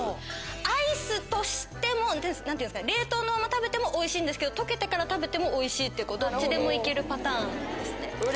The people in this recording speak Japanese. アイスとしても冷凍のまま食べてもおいしいんですけど溶けてから食べてもおいしいっていうどっちでも行けるパターンですね。